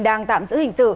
đang tạm giữ hình sự